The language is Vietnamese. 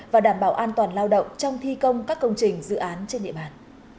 và đảm bảo an toàn lao động trong thi công các công trình dự án trên địa bàn